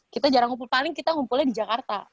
kita jarang ngumpul paling kita ngumpulnya di jakarta